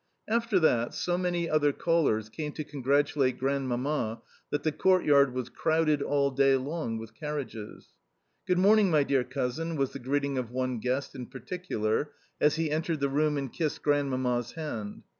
After that, so many other callers came to congratulate Grandmamma that the courtyard was crowded all day long with carriages. "Good morning, my dear cousin," was the greeting of one guest in particular as he entered the room and kissed Grandmamma's hand.